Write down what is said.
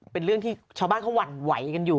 เป็นเรื่องที่ชาวบ้านเขาหวั่นไหวกันอยู่